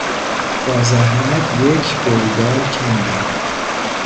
با زحمت یک گودال کندم.